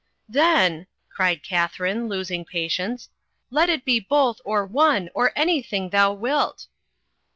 "Then," cried Katharine, losing patience, "let it be both, or one, or anything thou wilt."